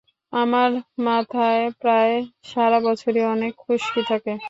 আমার মাথায় প্রায় সারা বছরই অনেক খুশকি থাকে।